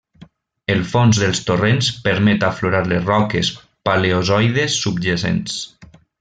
El fons dels torrents permet aflorar les roques paleozoiques subjacents.